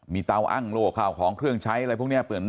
มีเตาอ้างโล่ข้าวของเครื่องใช้อะไรพวกนี้